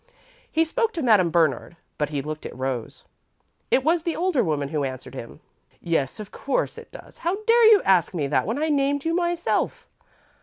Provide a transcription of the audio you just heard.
He spoke to Madame Bernard but he looked at Rose. It was the older woman who answered him. "Yes, of course it does. How dare you ask me that when I named you myself?"